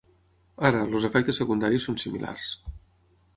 Ara, els efectes secundaris són similars.